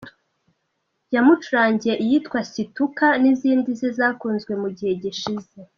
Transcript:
Yamucurangiye iyitwa Situka n’izindi ze zakunzwe mu gihe gishize.